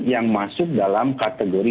yang masuk dalam kategori